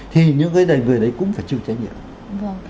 thì những cái này người đấy cũng phải chịu trách nhiệm